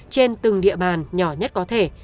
trên từng địa bàn nhỏ nhất có thể